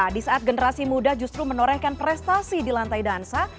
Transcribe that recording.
di saat generasi muda justru menorehkan prestasi di lantai dansa